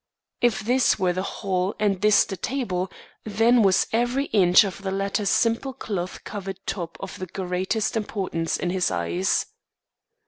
If this were the hall and this the table, then was every inch of the latter's simple cloth covered top of the greatest importance in his eyes.